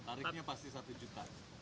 tariknya pasti satu juta